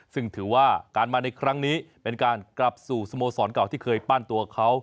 ซึ่งถือว่าการมาในครั้งนี้เป็นการกลับสู่สโมสรเก่าที่เคยปั้นตัวเขา